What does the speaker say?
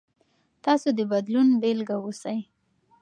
تاسو د بدلون بیلګه اوسئ.